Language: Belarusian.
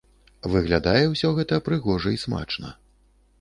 Выглядае ўсё гэта прыгожа і смачна.